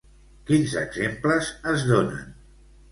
Quins exemples es donen?